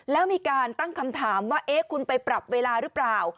แล้วมีการตั้งคำถามว่าเอ๊ะคุณไปปรับเวลาหรือเปล่า